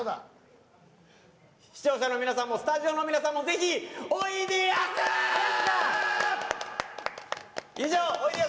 視聴者の皆さんもスタジオの皆さんもぜひおいでやす！